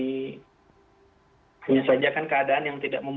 hanya saja kan keadaan yang tidak memungk